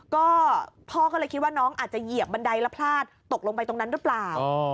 ก็พ่อก็เลยคิดว่าน้องอาจจะเหยียบบันไดแล้วพลาดตกลงไปตรงนั้นหรือเปล่า